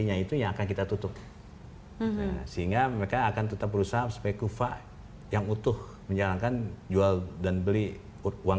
nah itu memang dari ketentuan yang baru pun yang dulu pun sudah dilarang